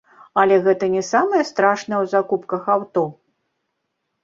Але гэта не самае страшнае ў закупках аўто.